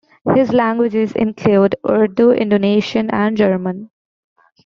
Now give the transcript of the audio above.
His languages include Urdu, Indonesian, and German.